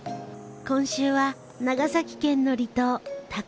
今週は長崎県の離島鷹島。